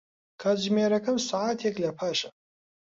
کاتژمێرەکەم سەعاتێک لەپاشە.